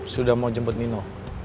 sudah mau jemput nino